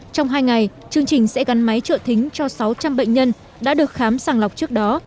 trong hai ngày chương trình sẽ gắn máy trợ thính cho sáu trăm linh bệnh nhân đã được khám sàng lọc trước đó